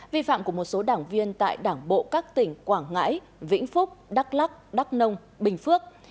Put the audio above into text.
vi phạm của một số đảng viên tại đảng bộ các tỉnh quảng ngãi vĩnh phúc đắk lắc đắk nông bình phước